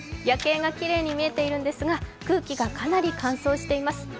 夜景がきれいに見えているんですが空気がかなり乾燥しています。